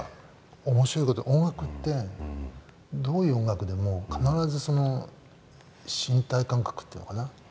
面白い事に音楽ってどういう音楽でも必ず身体感覚というのかな。